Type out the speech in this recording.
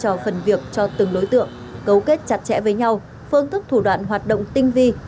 các đối tượng đã đối tượng cho từng đối tượng cấu kết chặt chẽ với nhau phương thức thủ đoạn hoạt động tinh vi